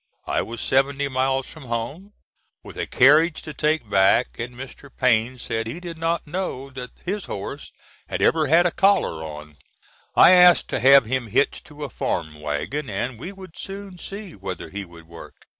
I was seventy miles from home, with a carriage to take back, and Mr. Payne said he did not know that his horse had ever had a collar on. I asked to have him hitched to a farm wagon and we would soon see whether he would work.